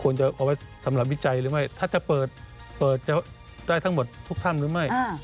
เอาไว้สำหรับวิจัยหรือไม่ถ้าจะเปิดจะได้ทั้งหมดทุกถ้ำหรือไม่